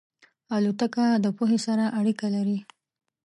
الوتکه د پوهې سره اړیکه لري.